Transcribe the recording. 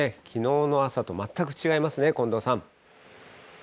きのうの朝と全く違いますね、近藤さん。